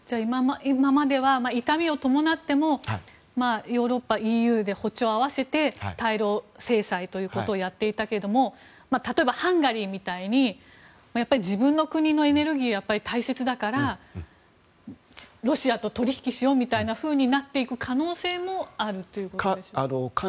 今までは痛みを伴ってもヨーロッパ、ＥＵで歩調を合わせて対露制裁ということをやっていたけれども例えばハンガリーみたいに自分の国のエネルギーが大切だからロシアと取引しようというふうになっていく可能性もあるということですか。